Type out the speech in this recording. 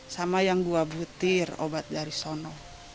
sama yang dua butir obat dari sono